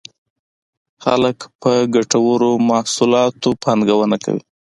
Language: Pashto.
خلک په ګټورو محصولاتو پانګونه کوي.